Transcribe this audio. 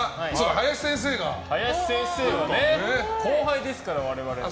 林先生は後輩ですから、我々の。